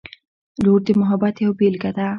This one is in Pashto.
• لور د محبت یوه بېلګه ده.